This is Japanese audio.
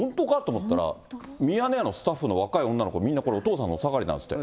本当かって思ったら、ミヤネ屋のスタッフの女の子、みんなこれ、お父さんのおさがりなんですって。